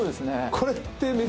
これって。